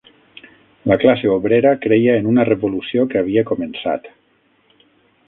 La classe obrera creia en una revolució que havia començat